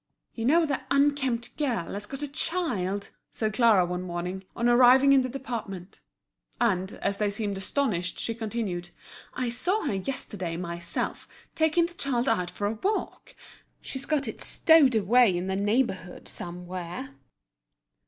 "You know the 'unkempt girl' has got a child?" said Clara one morning, on arriving in the department. And, as they seemed astonished, she continued: "I saw her yesterday myself taking the child out for a walk! She's got it stowed away in the neighbourhood, somewhere."